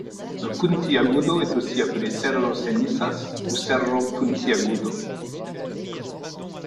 Le Puntiagudo est aussi appelé Cerro Cenizas ou Cerro Puntiagudo.